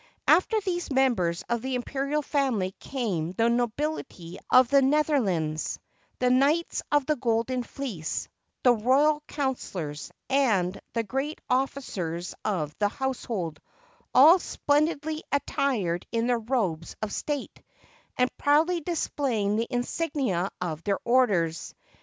After these members of the imperial family came the nobility of the Netherlands, the knights of the Golden Fleece, the royal counselors, and the great officers of the household, all splendidly attired in their robes of state, 495 SPAIN and proudly displaying the insignia of their orders.